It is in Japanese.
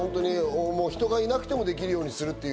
人がいなくてもできるようにするっていう。